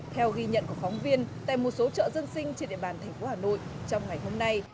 theo ghi nhận của phóng viên tại một số chợ dân sinh trên địa bàn thành phố hà nội trong ngày hôm nay